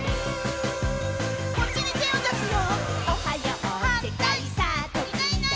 こっちにてをだすよ。